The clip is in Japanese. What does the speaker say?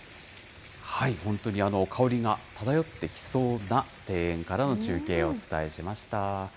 本当に、香りが漂ってきそうな庭園からの中継をお伝えしました。